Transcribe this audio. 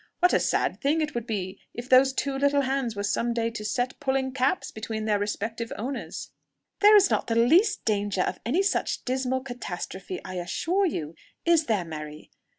What a sad thing it would be if those two little hands were some day to set pulling caps between their respective owners!" "There is not the least danger of any such dismal catastrophe, I assure you. Is there Mary?"